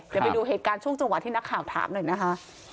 เดี๋ยวไปดูเหตุการณ์ช่วงจังหวะที่นักข่าวถามหน่อยนะคะ